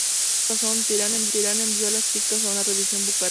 Por esta razón, Tyra envió a las chicas a un revisión bucal.